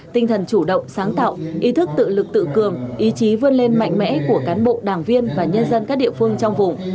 tinh thần chủ động sáng tạo ý thức tự lực tự cường ý chí vươn lên mạnh mẽ của cán bộ đảng viên và nhân dân các địa phương trong vùng